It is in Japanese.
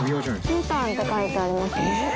みかんって書いてあります。